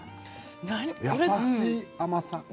優しい甘さ。